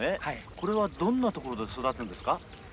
これはどんな所で育つんですか？